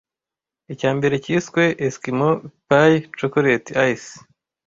Icyambere cyiswe Eskimo Pie Chocolate Ices